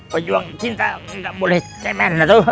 pejuang cinta nggak boleh cemen ya tuh